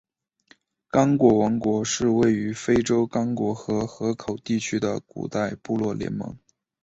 刚果王国是位于非洲刚果河河口地区的古代部落联盟。